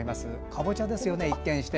かぼちゃですよね。